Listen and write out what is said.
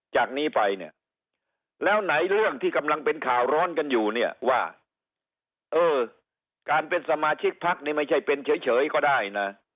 จากนี้ไปเนี่ยแล้วไหนเรื่องที่กำลังเป็นข่าวร้อนกันอยู่เนี่ยว่าเออการเป็นสมาชิกพักนี่ไม่ใช่เป็นเฉยก็ได้นะ